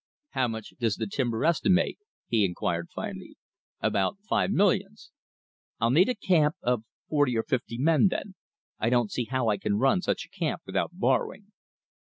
"How much does the timber estimate?" he inquired finally. "About five millions." "I'd need a camp of forty or fifty men then. I don't see how I can run such a camp without borrowing."